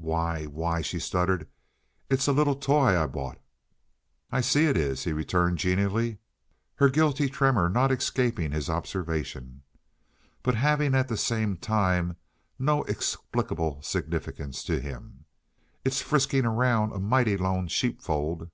"Why, why!" she stuttered, "it's a little toy I bought." "I see it is," he returned genially, her guilty tremor not escaping his observation, but having at the same time no explicable significance to him. "It's frisking around a mighty lone sheepfold."